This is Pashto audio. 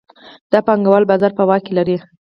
دا پانګوال بازار په واک کې لري